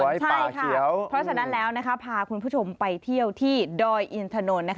ใช่ค่ะเพราะฉะนั้นแล้วพาคุณผู้ชมไปเที่ยวที่ดอยอินทนนท์